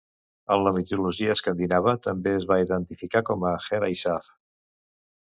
En la mitologia escandinava també es va identificar com a Heryshaf.